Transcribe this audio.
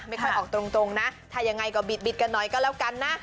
ไม่ค่อยออกตรงนะถ้ายังไงก็บิดกันหน่อยก็แล้วกันนะ